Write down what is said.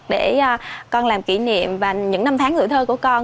để con làm kỷ niệm và những năm tháng gửi thơ của con